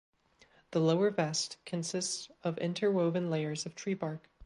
The lower vest consists of interwoven layers of tree bark.